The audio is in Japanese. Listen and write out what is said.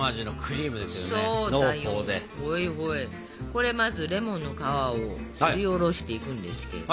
これまずレモンの皮をすりおろしていくんですけど。